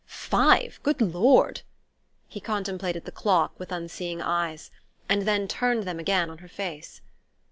Five? Good Lord!" He contemplated the clock with unseeing eyes, and then turned them again on her face.